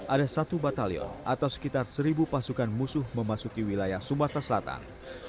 ada satu batalion atau sekitar seribu pasukan musuh memasuki wilayah sumatera selatan